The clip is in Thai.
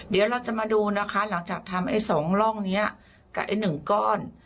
เดี๋ยวเราจะมาดูนะคะหลังจากทำไอ้๒ร่องนี้กับไอ้๑ก้อน